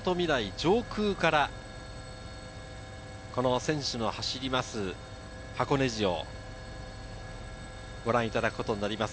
上空から選手の走る箱根路をご覧いただくことになります。